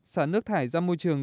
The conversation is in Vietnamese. xả nước thải ra môi trường